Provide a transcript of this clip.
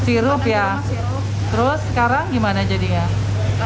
sirup ya terus sekarang gimana jadinya